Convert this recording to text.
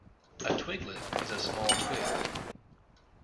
A twiglet is a small twig.